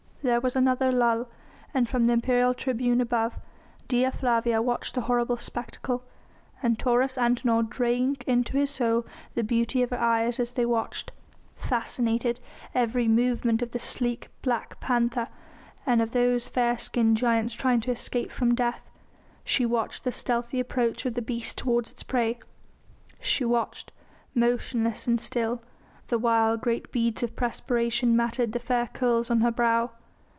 There was another lull, and from the imperial tribune above Dea Flavia watched the horrible spectacle, and Taurus Antinor drank into his soul the beauty of her eyes as they watched fascinated every movement of the sleek black panther, and of those fair skinned giants trying to escape from death; she watched the stealthy approach of the beast toward its prey; she watched, motionless and still, the while great beads of perspiration matted the fair curls on her brow.